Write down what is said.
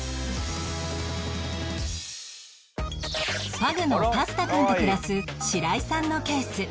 パグのパスタくんと暮らす白井さんのケース